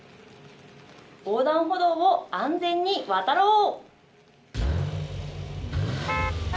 横断歩道を安全に渡ろう。